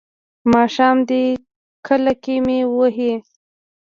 ماښام دی کاله کې مې وهي.